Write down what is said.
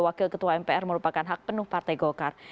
wakil ketua mpr merupakan hak penuh partai golkar